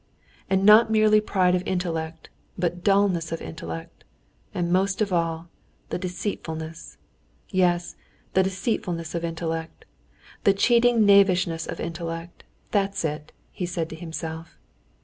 "And not merely pride of intellect, but dulness of intellect. And most of all, the deceitfulness; yes, the deceitfulness of intellect. The cheating knavishness of intellect, that's it," he said to himself.